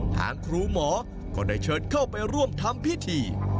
ทางครูหมอก็ได้เชิญเข้าไปร่วมทำพิธี